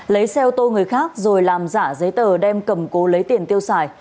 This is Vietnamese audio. lấy xe ô tô người khác rồi làm giả giấy tờ đem cầm cố lấy tiền tiêu xài